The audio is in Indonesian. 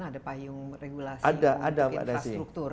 ada payung regulasi infrastruktur